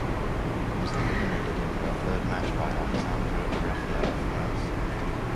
She was eliminated in her third match by Alexandra Recchia of France.